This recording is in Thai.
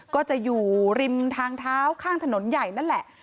ก็จะอยู่ริมทางเท้าข้างถนนใหญ่นั่นแหละ